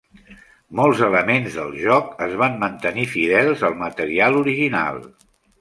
Molts elements del joc es van mantenir fidels al material original.